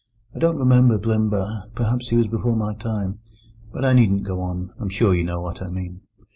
"I don't remember Blimber; perhaps he was before my time. But I needn't go on. I'm sure you know what I mean."